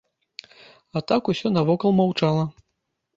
А так усё навакол маўчала.